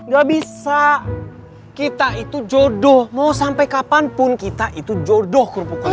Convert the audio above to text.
gak bisa kita itu jodoh mau sampai kapanpun kita itu jodoh kerupuknya